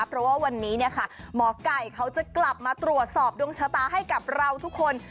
เพราะว่าวันนี้เนี่ยค่ะหมอไก่เขาจะกลับมาตรวจสอบดวงชะตาให้กับเราทุกคน